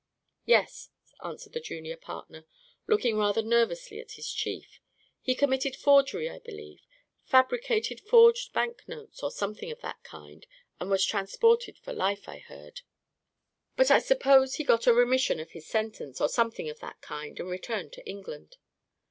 "Yes," answered the junior partner, looking rather nervously at his chief; "he committed forgery, I believe; fabricated forged bank notes, or something of that kind, and was transported for life, I heard; but I suppose he got a remission of his sentence, or something of that kind, and returned to England."